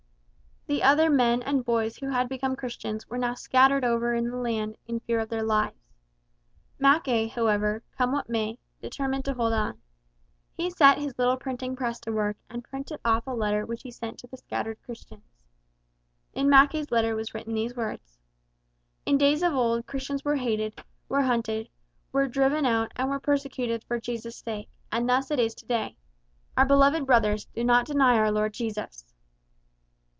The other men and boys who had become Christians were now scattered over the land in fear of their lives. Mackay, however, come what may, determined to hold on. He set his little printing press to work and printed off a letter which he sent to the scattered Christians. In Mackay's letter was written these words, "In days of old Christians were hated, were hunted, were driven out and were persecuted for Jesus' sake, and thus it is to day. Our beloved brothers, do not deny our Lord Jesus!"